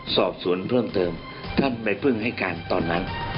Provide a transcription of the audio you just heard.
สอบสวนเพิ่มเติมท่านไปเพิ่งให้การตอนนั้น